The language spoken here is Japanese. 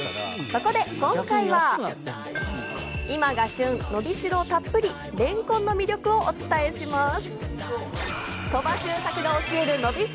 そこで今回は今が旬、のびしろたっぷりのれんこんの魅力をお伝えします。